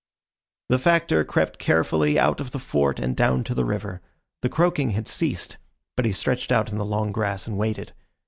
The Factor crept carefully out of the Fort and down to the river. The croaking had ceased, but he stretched out in the long grass and waited.